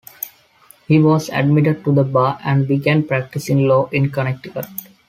He was admitted to the bar and began practicing law in Connecticut.